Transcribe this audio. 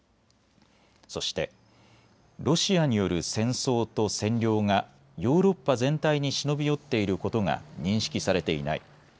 そして、ロシアによる戦争と占領がヨーロッパ全体に忍び寄っていることが認識されていない。